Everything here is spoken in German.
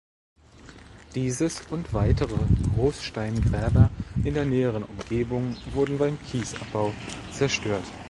Dieses und weitere Großsteingräber in der näheren Umgebung wurden beim Kiesabbau zerstört.